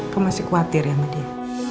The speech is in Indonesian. kamu masih khawatir ya sama dia